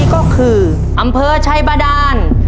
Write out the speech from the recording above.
นี่ก็คืออำเภอชายบดาน